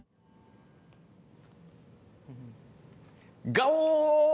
ガオー！